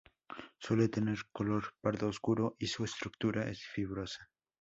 Suele tener color pardo oscuro y su estructura es fibrosa.